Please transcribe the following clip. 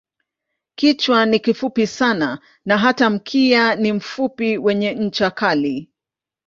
Kichwa ni kifupi sana na hata mkia ni mfupi wenye ncha kali.